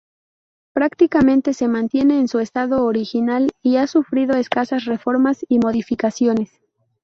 Prácticamente se mantiene en su estado original y ha sufrido escasas reformas y modificaciones.